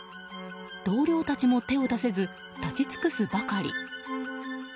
同僚たちも手を出せず立ち尽くすばかり。